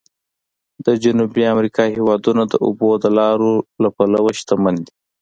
د جنوبي امریکا هېوادونه د اوبو د لارو له پلوه شمن دي.